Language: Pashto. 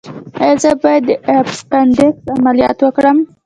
ایا زه باید د اپنډکس عملیات وکړم؟